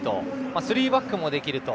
スリーバックもできると。